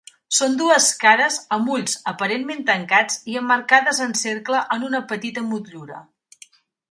Són dues cares amb ulls aparentment tancats i emmarcades en cercle en una petita motllura.